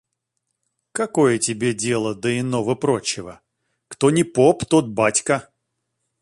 Какое тебе дело до иного-прочего? Кто ни поп, тот батька.